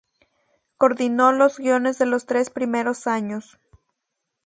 Coordinó los guiones de los tres primeros años.